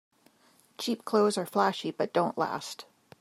Cheap clothes are flashy but don't last.